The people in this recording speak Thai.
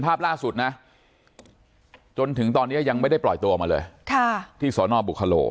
ภาพล่าสุดนะจนถึงตอนนี้ยังไม่ได้ปล่อยตัวมาเลยที่สอนอบุคโล